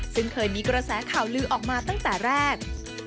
ซึ่งเคยมีกระแสข่าวลือออกมาตั้งแต่แรก